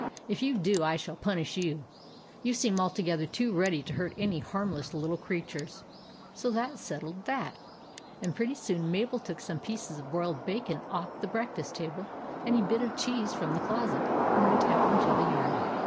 If you do, I shall punish you. You seem altogether too ready to hurt any harmless little creatures." So that settled that; and pretty soon Mabel took some pieces of broiled bacon off the breakfast table, and a bit of cheese from the closet, and went out into the yard.